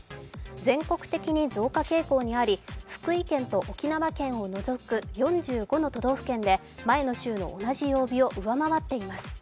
全国的に増加傾向にあり福井県と沖縄県を除く４５の都道府県で前の週の同じ曜日を上回っています。